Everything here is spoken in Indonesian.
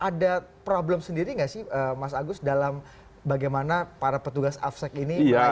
ada problem sendiri nggak sih mas agus dalam bagaimana para petugas afsek ini